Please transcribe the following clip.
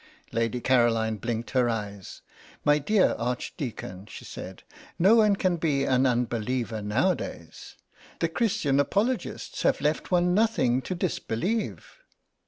Lady Caroline blinked her eyes. "My dear Archdeacon," she said, "no one can be an unbeliever nowadays. The Christian Apologists have left one nothing to disbelieve."